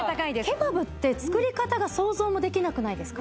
ケバブって作り方が想像もできなくないですか？